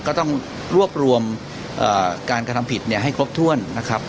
ก็ต้องรวบรวมการกระทำผิดให้ครบถ้วนนะครับ